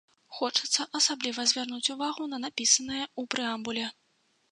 Хочацца асабліва звярнуць увагу на напісанае ў прэамбуле.